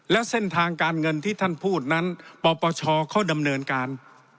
และเส้นทางการเงินที่ท่านพูดนั้นปปชเขาดำเนินการ